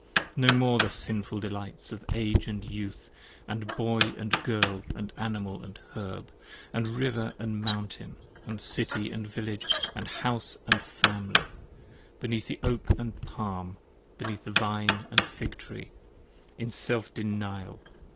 No more the sinful delights Of age and youth, and boy and girl, and animal and herb, And river and mountain, and city & village, and house & family, Beneath the Oak & Palm, beneath the Vine and Fig tree, 20 In self denial